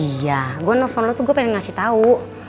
iya gue novel lo tuh gue pengen ngasih tau